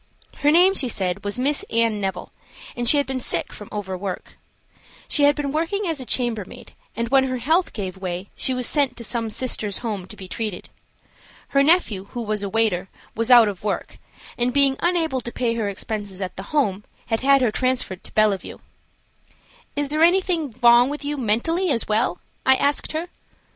Her name, she said, was Miss Anne Neville, and she had been sick from overwork. She had been working as a chambermaid, and when her health gave way she was sent to some Sisters' Home to be treated. Her nephew, who was a waiter, was out of work, and, being unable to pay her expenses at the Home, had had her transferred to Bellevue. "Is there anything wrong with you mentally as well?" I asked her.